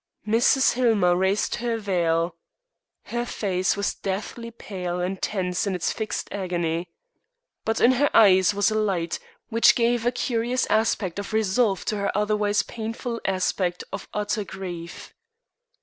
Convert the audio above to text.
Mrs. Hillmer raised her veil. Her face was deathly pale and tense in its fixed agony. But in her eyes was a light which gave a curious aspect of resolve to her otherwise painful aspect of utter grief.